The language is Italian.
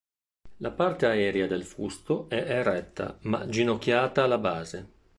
La parte aerea del fusto è eretta ma ginocchiata alla base.